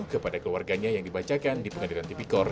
kepada keluarganya yang dibacakan di pengadilan tipi kor